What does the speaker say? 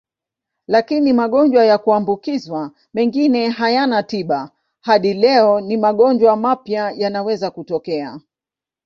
Lakini magonjwa ya kuambukizwa mengine hayana tiba hadi leo na magonjwa mapya yanaweza kutokea.